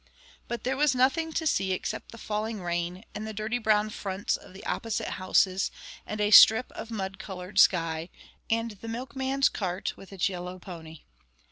But there was nothing to see except the falling rain, and the dirty brown fronts of the opposite houses, and a strip of mud coloured sky, and the milkman's cart with its yellow pony.